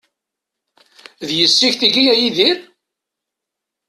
D yessi-k tigi, a Yidir?